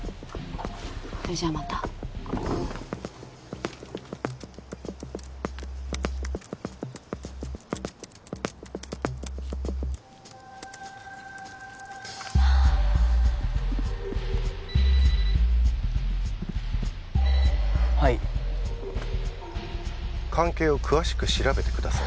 それじゃまたはい関係を詳しく調べてください